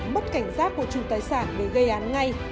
mất cảnh giác của chủ tài sản để gây án ngay